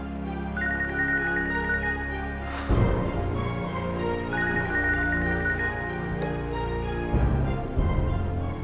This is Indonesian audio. jadi dia gak ngejepat